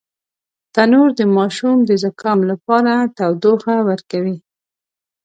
تنور د ماشوم د زکام لپاره هم تودوخه ورکوي